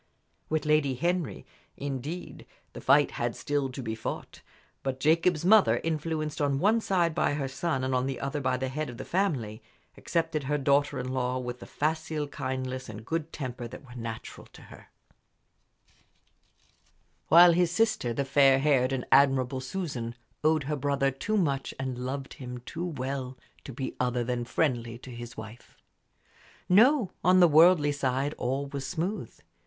With Lady Henry, indeed, the fight had still to be fought. But Jacob's mother, influenced on one side by her son and on the other by the head of the family, accepted her daughter in law with the facile kindliness and good temper that were natural to her; while his sister, the fair haired and admirable Susan, owed her brother too much and loved him too well to be other than friendly to his wife. No; on the worldly side all was smooth.